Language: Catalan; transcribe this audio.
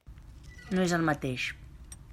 No és el mateix.